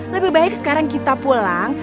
lebih baik sekarang kita pulang